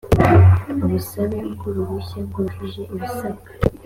ubusabe bw uruhushya bwujuje ibisabwa